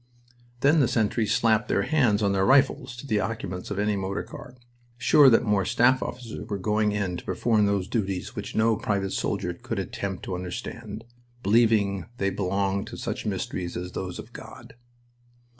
Then the sentries slapped their hands on their rifles to the occupants of any motor car, sure that more staff officers were going in to perform those duties which no private soldier could attempt to understand, believing they belonged to such mysteries as those of God.